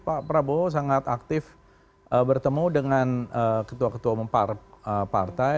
pak prabowo sangat aktif bertemu dengan ketua ketua umum partai